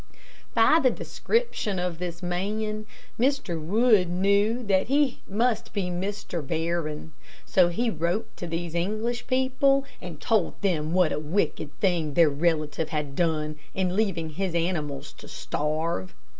By the description of this man, Mr. Wood knew that he must be Mr. Barron, so he wrote to these English people, and told them what a wicked thing their relative had done in leaving his animals to starve.